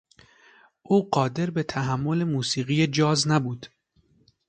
او قادر به تحمل موسیقی جاز نبود.